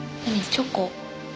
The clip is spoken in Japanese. チョコ？